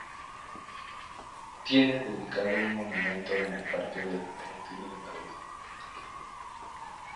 Tiene dedicado un monumento en el parque del Retiro de Madrid.